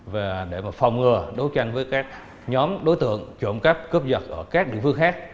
và để phòng ngừa đấu tranh với các nhóm đối tượng trộm cắp cướp giật ở các địa phương khác